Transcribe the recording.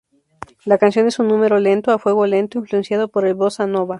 La canción es un número lento, a fuego lento influenciado por el bossa nova.